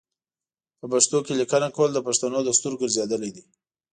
په پښتو کې لیکنه کول د پښتنو دستور ګرځیدلی دی.